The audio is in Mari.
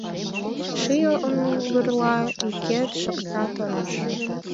Ший оҥгырла йӱкет шокта тораш.